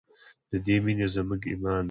د دې مینه زموږ ایمان دی